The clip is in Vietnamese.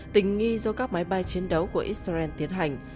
tình nghi do các máy bay chiến đấu của israel tiến hành